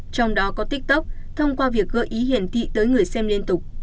trong đó có tiktok thông qua việc gợi ý hiển thị tới người xem liên tục